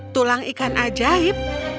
tulang ikan ajaib